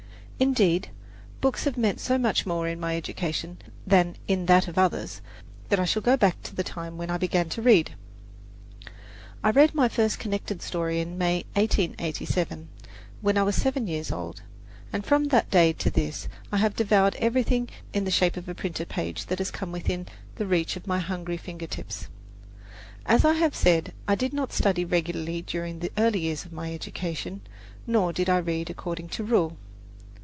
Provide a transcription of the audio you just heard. Indeed, books have meant so much more in my education than in that of others, that I shall go back to the time when I began to read. I read my first connected story in May, 1887, when I was seven years old, and from that day to this I have devoured everything in the shape of a printed page that has come within the reach of my hungry finger tips. As I have said, I did not study regularly during the early years of my education; nor did I read according to rule.